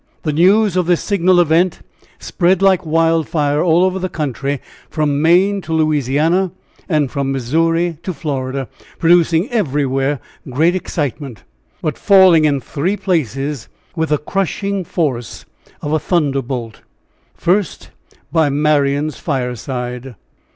The news of this signal event spread like wildfire all over the country, from Maine to Louisiana, and from Missouri to Florida, producing everywhere great excitement, but falling in three places with the crushing force of a thunderbolt. First by Marian's fireside.